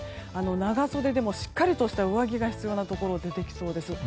長袖でもしっかりとした上着が必要なところが出てきそうです。